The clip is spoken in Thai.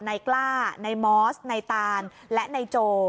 ในกล้าในมอสในตานและในโจ